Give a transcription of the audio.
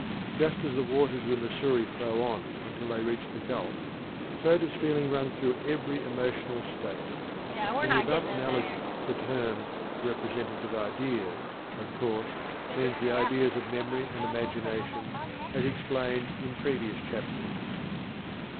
Just as the waters of the Missouri flow on until they reach the gulf, so does feeling run through every emotional state." In the above analogy the term "representative ideas," of course, means the ideas of memory and imagination as explained in previous chapters.